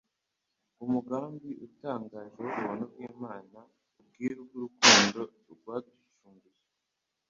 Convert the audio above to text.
Umugambi utangaje w'ubuntu bw'Imana, ubwiru bw'urukundo rwaducunguye,